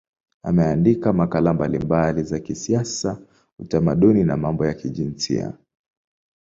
Ameandika makala mbalimbali za kisiasa, utamaduni na mambo ya kijinsia.